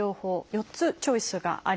４つチョイスがあります。